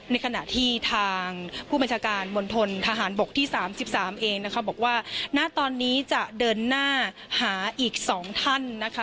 ในขณะที่ทางผู้บัญชาการมณฑนทหารบกที่๓๓เองนะคะบอกว่าณตอนนี้จะเดินหน้าหาอีก๒ท่านนะคะ